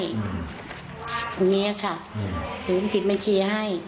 อย่างนี้ค่ะหนูปิดบัญชีให้